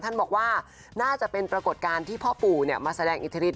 ท่านบอกว่าน่าจะเป็นปรากฏการณ์ที่พ่อปู่มาแสดงอิทธิฤท